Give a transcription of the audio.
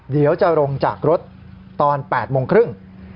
เดี๋ยวจะลงจากรถตอน๘๓๐น